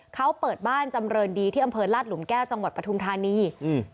เขาเปิดบ้านจำเรินดีที่อำเภอลาดหลุมแก้วจังหวัดปทุมธานีอืม